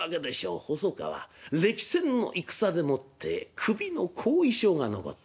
細川歴戦の戦でもって首の後遺症が残った。